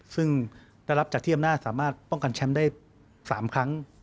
ซึ่งได้รับจากที่อำนาจสามารถป้องกันแชมป์ได้๓ครั้ง